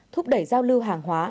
thúc đẩy giao lưu hàng hóa